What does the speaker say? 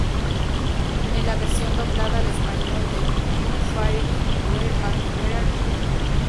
Es la versión doblada al español de "Tooth Fairy, Where Are You?